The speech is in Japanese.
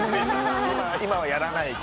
今はやらない。